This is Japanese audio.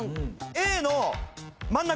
Ａの真ん中。